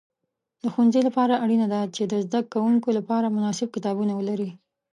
د ښوونځي لپاره اړینه ده چې د زده کوونکو لپاره مناسب کتابونه ولري.